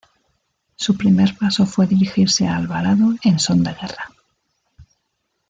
Su primer paso fue dirigirse a Alvarado en son de guerra.